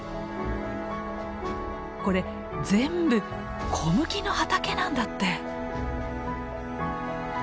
これ全部小麦の畑なんだって！